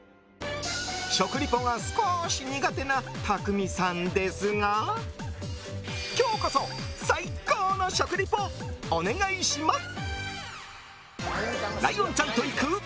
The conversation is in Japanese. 食リポが少し苦手なたくみさんですが今日こそ最高の食リポお願いします！